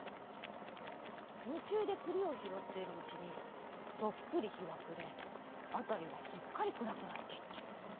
むちゅうでくりをひろっているうちにとっぷりひはくれあたりはすっかりくらくなっていった。